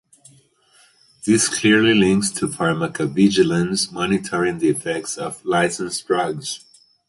This clearly links to pharmacovigilance (monitoring the effects of licensed drugs).